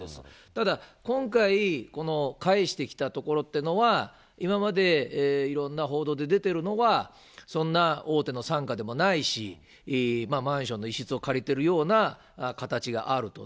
ただ今回返してきたところというのは、今までいろんな報道で出ているのは、そんな大手の傘下でもないし、マンションの一室を借りているような形があると。